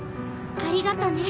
ありがとね。